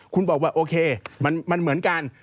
คุณบอกว่าโอเคมันเหมือนกัน